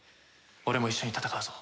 俺も一緒に戦うぞ。